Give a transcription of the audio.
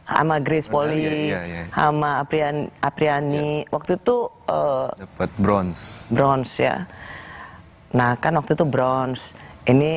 sama grace poli sama apriani apriani waktu itu eh bronze bronze ya nah kan waktu itu bronze ini